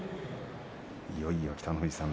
いよいよ北の富士さん